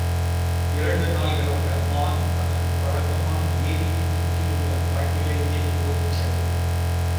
இரண்டு நாள்களாக மான் தனக்குப் பழக்கமான ஏரியைச் சுற்றியுள்ள காட்டிலேயே ஓடிச் சென்றது.